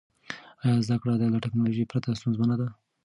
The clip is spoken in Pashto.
آیا زده کړه له ټیکنالوژۍ پرته ستونزمنه ده؟